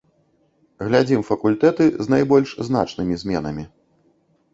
Глядзім факультэты з найбольш значнымі зменамі.